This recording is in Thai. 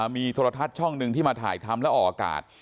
มีโทรทัศน์ช่องหนึ่งที่มาถ่ายทำแล้วออกอากาศ